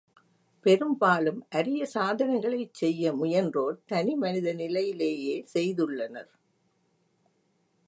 பெரும்பாலும் அரிய சாதனைகளைச் செய்ய முயன்றோர் தனி மனித நிலையிலேயே செய்துள்ளனர்.